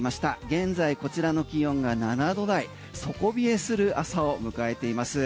現在こちらの気温が７度台底冷えする朝を迎えています。